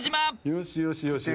よしよしよしよし。